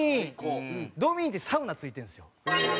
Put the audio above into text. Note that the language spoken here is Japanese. ドーミーインってサウナ付いてるんですよ。